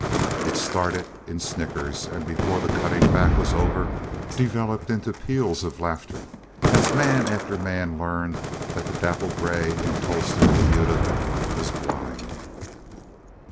It started in snickers, and before the cutting back was over developed into peals of laughter, as man after man learned that the dapple gray in Tolleston's remuda was blind.